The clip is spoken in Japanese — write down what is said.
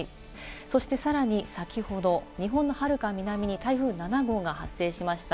そしてさらに先ほど、日本のはるか南に台風７号が発生しました。